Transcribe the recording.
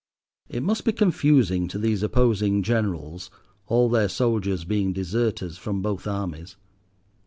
(It must be confusing to these opposing Generals, all their soldiers being deserters from both armies.)